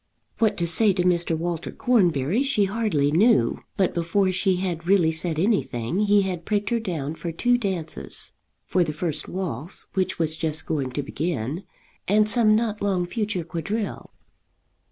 What to say to Mr. Walter Cornbury she hardly knew; but before she had really said anything he had pricked her down for two dances, for the first waltz, which was just going to begin, and some not long future quadrille.